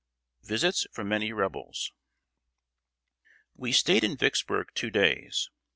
[Sidenote: VISITS FROM MANY REBELS.] We stayed in Vicksburg two days.